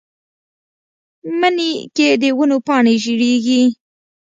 مني کې د ونو پاڼې ژیړیږي